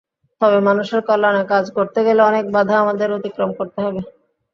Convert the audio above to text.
তবে মানুষের কল্যাণে কাজ করতে গেলে অনেক বাধা আমাদের অতিক্রম করতে হবে।